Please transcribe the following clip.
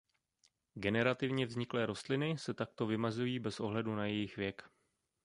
Generativně vzniklé rostliny se takto vymezují bez ohledu na jejich věk.